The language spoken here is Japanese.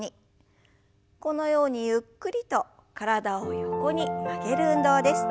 このようにゆっくりと体を横に曲げる運動です。